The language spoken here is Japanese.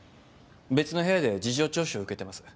別の部屋で事情聴取を受けてます。